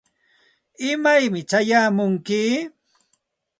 ¿imaymi chayamunki?